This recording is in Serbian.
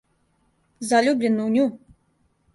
Заљубљен у њу?